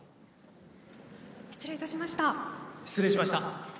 失礼いたしました。